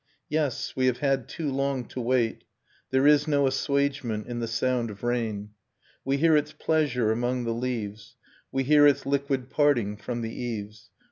j Yes, we have had too long to wait: ' There is no assuagement in the sound of rain. We hear its pleasure among the leaves, We hear its liquid parting from the eaves.